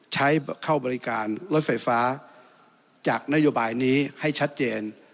ใช้เข้าบริการรถไฟฟ้าจากนโยบายนี้ให้ชัดเจน